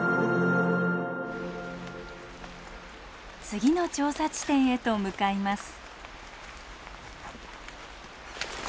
次の調査地点へと向かいます。